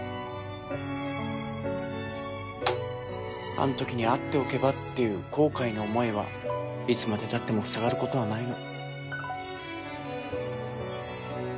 あんときに会っておけばっていう後悔の思いはいつまでたってもふさがることはないの